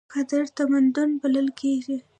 قدرتمند بلل کېږي.